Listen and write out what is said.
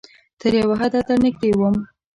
تر یو حده درنږدې وم